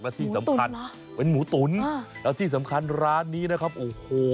และที่สำคัญเป็นหมูตุ๋นแล้วที่สำคัญร้านนี้นะครับโอ้โห